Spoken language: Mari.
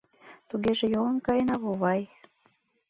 — Тугеже йолын каена, вовай?